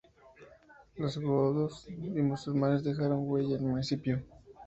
Los godos y los musulmanes no dejaron huella en el municipio.